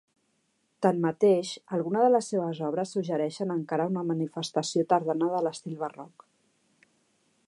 Tanmateix, algunes de les seves obres suggereixen encara una manifestació tardana de l'estil barroc.